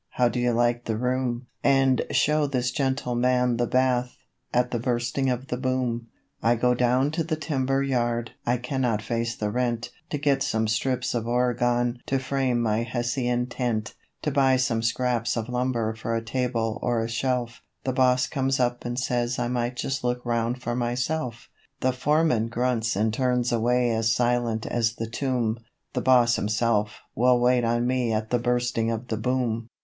How do you like the room?' And 'Show this gentleman the bath' at the Bursting of the Boom. I go down to the timber yard (I cannot face the rent) To get some strips of oregon to frame my hessian tent; To buy some scraps of lumber for a table or a shelf: The boss comes up and says I might just look round for myself; The foreman grunts and turns away as silent as the tomb The boss himself will wait on me at the Bursting of the Boom.